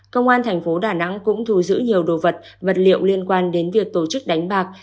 công an thành phố đà nẵng cũng thù giữ nhiều đồ vật vật liệu liên quan đến việc tổ chức đánh bạc